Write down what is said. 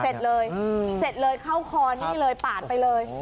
เสร็จเลยเสร็จเลยเข้าคอนี่เลยปาดไปเลย